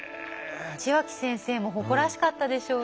血脇先生も誇らしかったでしょうね。